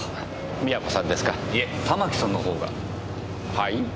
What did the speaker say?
はい？